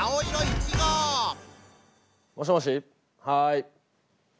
はい。